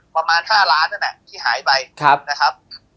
ประมาณ๕ล้านนั่นแหละที่หายไปนะครับ